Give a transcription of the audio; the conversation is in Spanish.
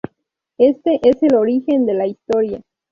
Este es el origen de la historia.